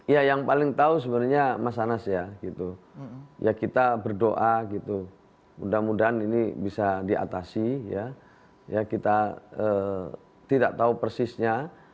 ya yang paling tahu sebenarnya mas anas ya gitu ya kita berdoa gitu mudah mudahan ini bisa diatasi ya kita tidak tahu persisnya